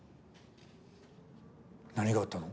何があったの？